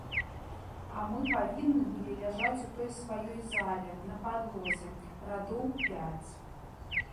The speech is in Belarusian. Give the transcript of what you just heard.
А мы павінны былі ляжаць у той сваёй зале, на падлозе, радоў у пяць.